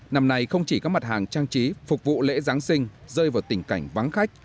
năm nay không chỉ các mặt hàng trang trí phục vụ lễ giáng sinh rơi vào tình cảnh vắng khách